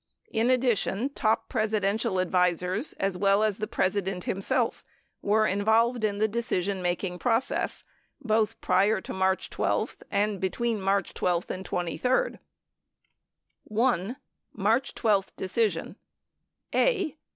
In addition, top Presi dential advisers, as well as the President himself, were involved in the decisionmaking process both prior to March 12 and between March 12 and 23. 1. MARCH 12 DECISION a.